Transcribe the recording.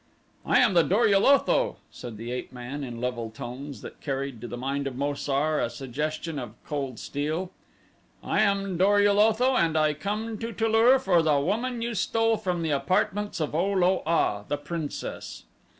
"I am the Dor ul Otho," said the ape man in level tones that carried to the mind of Mo sar a suggestion of cold steel; "I am Dor ul Otho, and I come to Tu lur for the woman you stole from the apartments of O lo a, the princess."